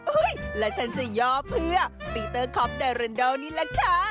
อุ๊ยและฉันจะยอเพื่อพีเตอร์คอปดาราดาวนี่แหละค่ะ